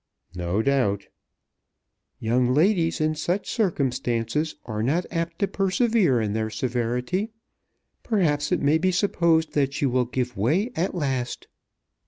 "No doubt." "Young ladies in such circumstances are not apt to persevere in their severity. Perhaps it may be supposed that she will give way at last."